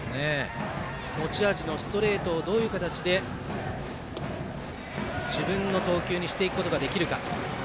持ち味のストレートをどういう形で自分の投球にしていくことができるか。